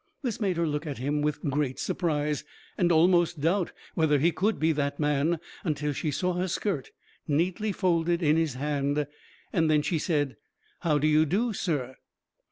This made her look at him with great surprise, and almost doubt whether he could be the man, until she saw her skirt neatly folded in his hand, and then she said, "How do you do, sir?"